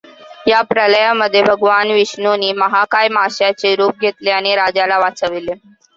या प्रलयामध्ये भगवान विष्णूंनी महाकाय माशाचे रूप घेतले आणि राजाला वाचविले.